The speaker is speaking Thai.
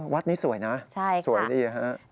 วัดนี้สวยนะสวยดีนะฮะใช่ค่ะ